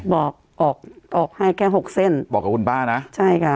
บอกออกออกให้แค่หกเส้นบอกกับคุณป้านะใช่ค่ะ